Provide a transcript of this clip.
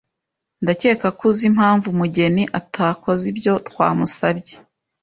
Ndakeka ko uzi impamvu Mugeni atakoze ibyo twamusabye.